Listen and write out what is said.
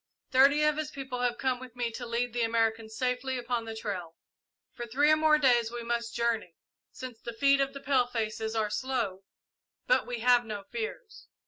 Thirty of his people have come with me to lead the Americans safely upon the trail. For three or more days must we journey, since the feet of the palefaces are slow, but we have no fears.